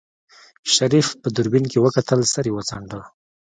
شريف په دوربين کې وکتل سر يې وڅنډه.